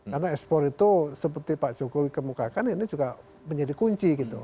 karena ekspor itu seperti pak jokowi kemukakan ini juga menjadi kunci gitu